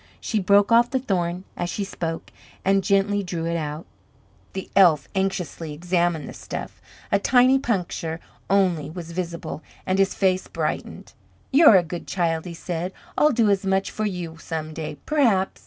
She broke off the thorn as she spoke, and gently drew it out. The elf anxiously examined the stuff. A tiny puncture only was visible and his face brightened. "You're a good child," he said. "I'll do as much for you some day, perhaps."